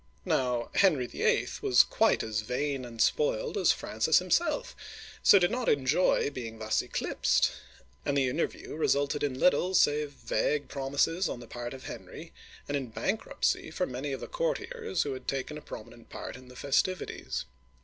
Now Henry VIII. was quite as vain and spoiled as Francis himself, so did not enjoy being thus eclipsed, and the inter view resulted in little save vague promises on the part of Henry, and in bankruptcy for many of the courtiers who had taken a prominent part in the festivities.